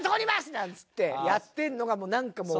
なんつってやってんのがなんかもう。